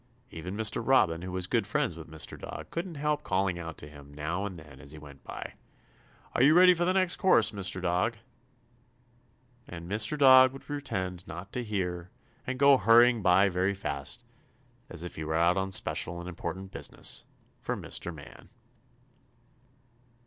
Even Mr. Robin, who was good friends with Mr. Dog, couldn't help calling out to him, now and then, as he went by: "Are you ready for the next course, Mr. Dog?" And Mr. Dog would pretend not to hear and go hurrying by very fast, as if he were out on special and important business for Mr. Man.